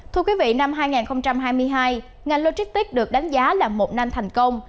thưa quý vị năm hai nghìn hai mươi hai ngành logistics được đánh giá là một năm thành công